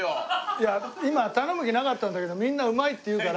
いや今頼む気なかったんだけどみんなうまいって言うから。